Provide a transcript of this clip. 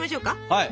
はい。